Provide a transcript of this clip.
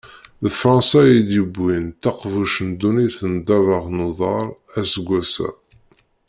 D Fransa i yewwin taqbuct n ddunit n ddabex n uḍar aseggas-a.